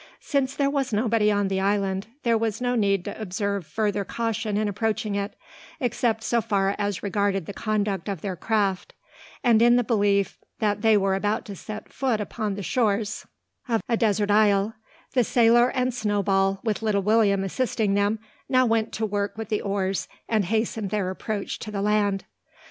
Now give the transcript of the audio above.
Since there was nobody on the island, there was no need to observe further caution in approaching it, except so far as regarded the conduct of their craft; and in the belief that they were about to set foot upon the shores of a desert isle, the sailor and Snowball, with little William assisting them, now went to work with the oars and hastened their approach to the land.